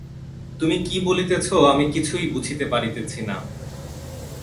তুমি কী বলিতেছ, আমি কিছুই বুঝিতে পারিতেছি না।